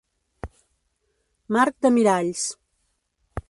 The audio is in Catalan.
Marc de Miralls: